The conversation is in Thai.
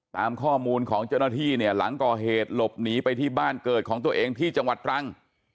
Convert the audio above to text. ตามข้อมูลของเจ้าหน้าที่เนี่ยหลังก่อเหตุหลบหนีไปที่บ้านเกิดของตัวเองที่จังหวัดตรัง